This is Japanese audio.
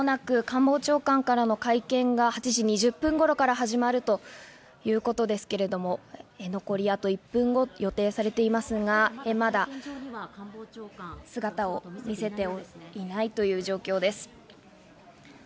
間もなく官房長官からの会見が８時２０分頃から始まるということですけれども、残りあと１分ほどで予定されていますが、まだ姿を見せていないという状況です。